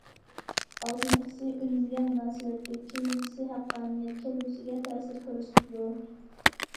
ئالدىنقىسى ئۈنۈمگە مۇناسىۋەتلىك، كېيىنكىسى ھەققانىيەت، كەلگۈسىگە تەسىر كۆرسىتىدۇ.